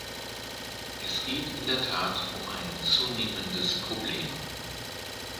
Es geht in der Tat um ein zunehmendes Problem.